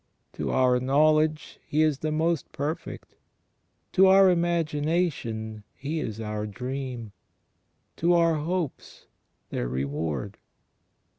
To our knowledge He is the Most Perfect; to our imagination He is our dream; to our hopes their Reward.